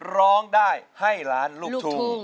ร้องได้ให้ล้านลูกทุ่ง